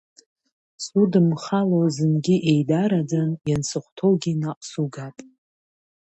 Судымхало зынгьы еидараӡан, иансыхәҭоугьы наҟ сугап.